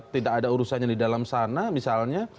tidak ada urusannya di dalam sana misalnya